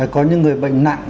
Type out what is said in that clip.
có những người bệnh nặng